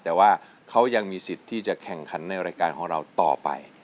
แต่ว่าเขายังมีสิทธิ์ที่จะแข่งขันในรายการของเราต่อไป